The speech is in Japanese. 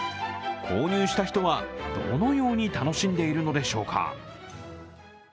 購入した人はどのように楽しんでいるのでしょうか。